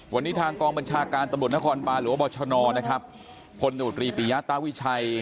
วันนี้ทางกองบัญชาการตำรวจนครบานหรือว่าบชนนะครับพลโนตรีปียะตาวิชัย